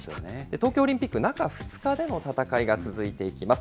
東京オリンピック、中２日での戦いが続いていきます。